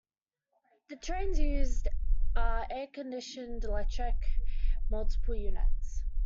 The trains used are air-conditioned electric multiple units.